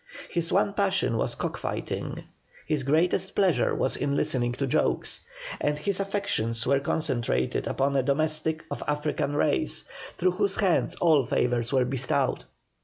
His one passion was cock fighting, his greatest pleasure was in listening to jokes, and his affections were concentrated upon a domestic of African race, through whose hands all favours were bestowed.